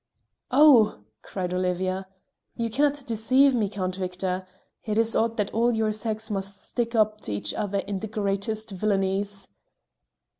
"Oh!" cried Olivia, "you cannot deceive me, Count Victor. It is odd that all your sex must stick up for each other in the greatest villanies."